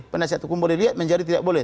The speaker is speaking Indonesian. penasihat hukum boleh dilihat menjadi tidak boleh